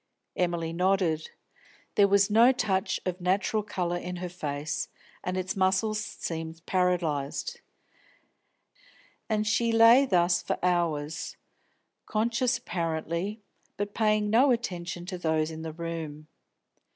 Emily nodded. There was no touch of natural colour in her face, and its muscles seemed paralysed. And she lay thus for hours, conscious apparently, but paying no attention to those in the room.